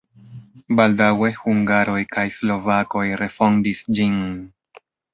Baldaŭe hungaroj kaj slovakoj refondis ĝin.